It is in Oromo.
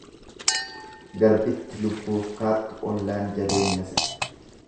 Garbitti lubbuuf kaattu ollaan jabeenya se'a.